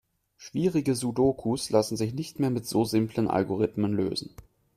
Schwierige Sudokus lassen sich nicht mehr mit so simplen Algorithmen lösen.